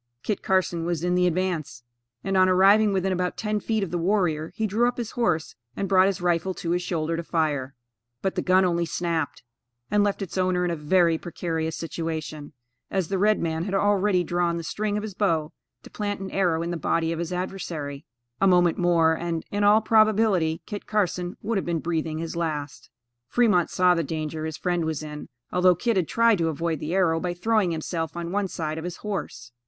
Kit Carson was in the advance, and on arriving within about ten feet of the warrior, he drew up his horse and brought his rifle to his shoulder to fire, but the gun only snapped, and left its owner in a very precarious situation, as the red man had already drawn the string of his bow to plant an arrow in the body of his adversary. A moment more and, in all probability, Kit Carson would have been breathing his last. Fremont saw the danger his friend was in, although Kit had tried to avoid the arrow by throwing himself on one side of his horse.